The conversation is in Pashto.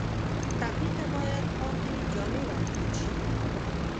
ټپي ته باید پاکې جامې ورکړل شي.